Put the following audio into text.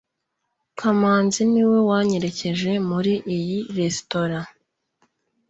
kamanzi niwe wanyerekeje muri iyi resitora